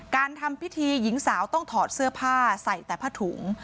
ทำพิธีหญิงสาวต้องถอดเสื้อผ้าใส่แต่ผ้าถุง